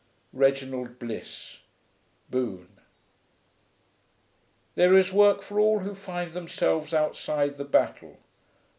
REGINALD BLISS, Boon. 'There is work for all who find themselves outside the battle.'